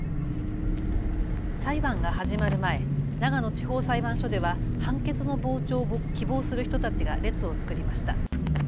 裁判が始まる前、長野地方裁判所では判決の傍聴を希望する人たちが列を作りました。